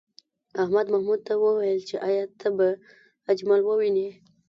احمد محمود ته وویل چې ایا ته به اجمل ووینې؟